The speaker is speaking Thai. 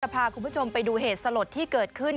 พาคุณผู้ชมไปดูเหตุสลดที่เกิดขึ้น